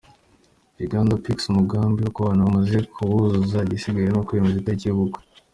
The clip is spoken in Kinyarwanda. ugandapicks, umugambi wo kubana bamaze kuwuzuza igisigaye ni ukwemeza itariki yubukwe.